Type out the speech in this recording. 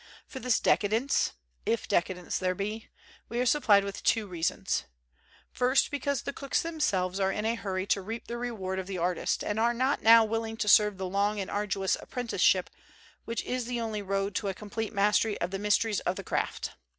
For this decadence, if decadence there be, we are supplied with two reasons. First, because the cooks themst I\ . i are in a hurry to reap the reward of the artist, and are not now willing to serve the long and arduous apprcn tin ship which is the only road to a complete mastery of the mysli TH S of tin craft.